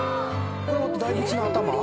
これも大仏の頭？